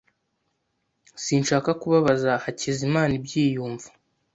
Sinshaka kubabaza Hakizimana ibyiyumvo.